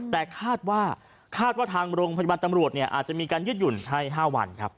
แต่คาดว่าคาดว่าทางโรงพยาบาลตำรวจอาจจะมีการยืดหยุ่นให้๕วันครับ